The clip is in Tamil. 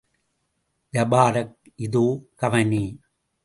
ஜபாரக், இதோ கவனி.